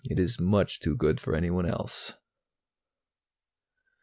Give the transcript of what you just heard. it is much too good for anyone else!